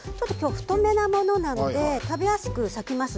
太めのものなので食べやすく裂きます。